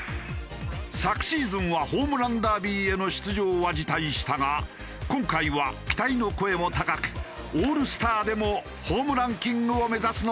昨シーズンはホームランダービーへの出場は辞退したが今回は期待の声も高くオールスターでもホームランキングを目指すのか？